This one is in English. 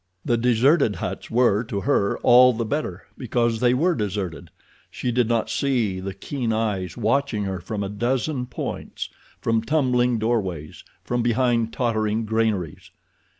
The deserted huts were, to her, all the better because they were deserted—she did not see the keen eyes watching her from a dozen points, from tumbling doorways, from behind tottering granaries.